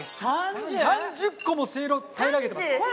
３０個もせいろたいらげてます。